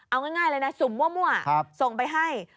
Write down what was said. เอาง่ายเลยนะสุ่มมั่วส่งไปให้